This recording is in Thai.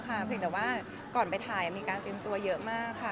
เพียงแต่ว่าก่อนไปถ่ายมีการเตรียมตัวเยอะมากค่ะ